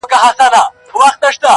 د ژوند هره شېبه ارزښت لري.